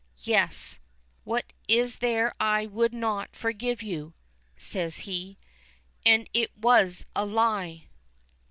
"Yes. What is there I would not forgive you?" says he. "And it was a lie!"